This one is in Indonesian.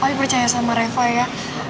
tapi percaya sama reva ya